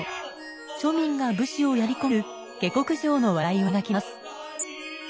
庶民が武士をやり込める下克上の笑いを描きます。